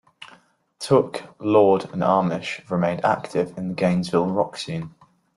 Tooke, Lord and Amish have remained active in the Gainesville rock scene.